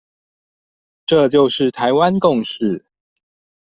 這就是台灣共識